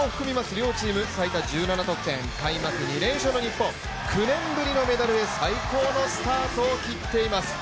両チーム最多１７得点、開幕２連勝の日本、９年ぶりのメダルへ最高のスタートを切っています。